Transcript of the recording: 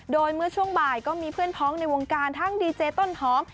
โดยเมื่อช่วงบ่ายก็มีเพื่อนพ้องในวงการทั้งดีเจต้นหอม